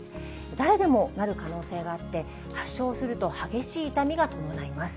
誰でもなる可能性があって、発症すると激しい痛みが伴います。